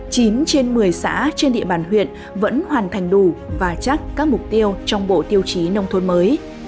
chín trên một mươi xã trên địa bàn huyện vẫn hoàn thành đủ và chắc các mục tiêu trong bộ tiêu chí nông thôn mới